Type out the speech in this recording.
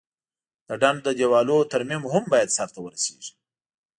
د ډنډ د دیوالونو ترمیم هم باید سرته ورسیږي.